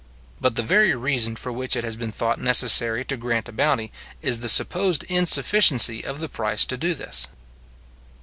But the very reason for which it has been thought necessary to grant a bounty, is the supposed insufficiency of the price to do this.